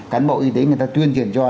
cán bộ y tế người ta tuyên truyền cho